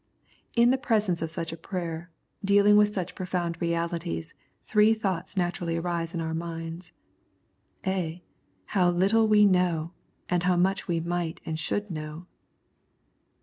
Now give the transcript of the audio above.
In the presence of such a prayer, dealing with such profound realities, three thoughts naturally arise in our minds, {a) How little we know, and how much we might and should know.